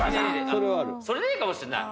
それいいかもしんない。